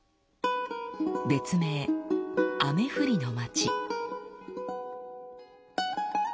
別名「雨降りの町」。